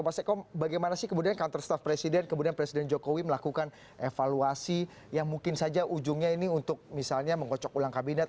mas eko bagaimana sih kemudian kantor staf presiden kemudian presiden jokowi melakukan evaluasi yang mungkin saja ujungnya ini untuk misalnya mengocok ulang kabinet